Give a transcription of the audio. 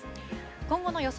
今後の予想